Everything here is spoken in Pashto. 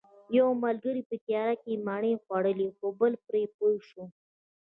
یو ملګری په تیاره کې مڼې خوړلې خو بل پرې پوه شو